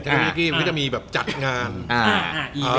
ซึ่งมันก็จะมีแบบจัดงาน